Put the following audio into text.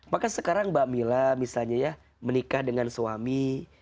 maka sekarang mbak mila misalnya ya menikah dengan suami